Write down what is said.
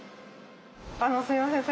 あのすいません。